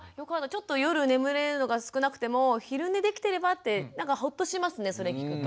ちょっと夜眠れるのが少なくても昼寝できてればってなんかほっとしますねそれ聞くと。